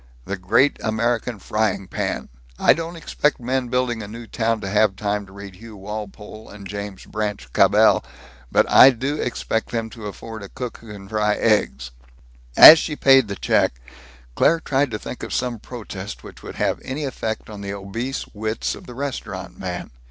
The Great American Frying Pan! I don't expect men building a new town to have time to read Hugh Walpole and James Branch Cabell, but I do expect them to afford a cook who can fry eggs!" As she paid the check, Claire tried to think of some protest which would have any effect on the obese wits of the restaurant man.